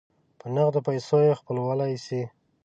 په نغدو پیسو یې خپلولای سی.